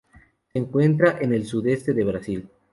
Se encuentra en el sudeste de Brasil.